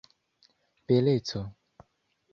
beleco